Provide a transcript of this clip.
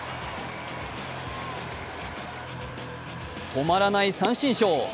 止まらない三振ショー。